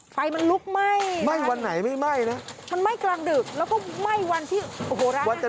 ไฟมันลุกไหม้นะครับมันไหม้กลางดึกแล้วก็ไหม้วันที่โอ้โฮร้านอาหาร